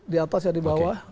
di atas ya di bawah